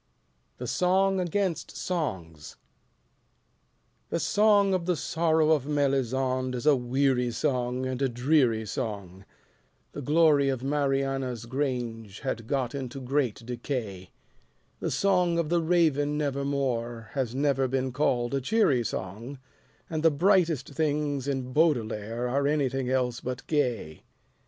The Song Against Songs The song of the sorrow of Melisande is a weary song and a dreary song, The glory of Mariana's grange had got into great decay, The song of the Raven Never More has never been called a cheery song, And the brightest things in Baudelaire are anything else but gay.